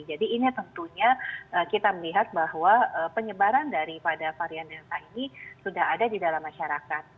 jadi ini tentunya kita melihat bahwa penyebaran dari pada varian delta ini sudah ada di dalam masyarakat